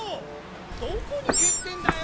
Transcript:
どこにけってんだよ！